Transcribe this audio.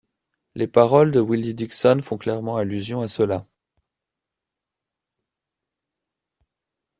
Les paroles de Willie Dixon font clairement allusion à cela.